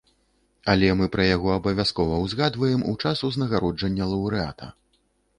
Але мы пра яго абавязкова ўзгадваем у час узнагароджання лаўрэата.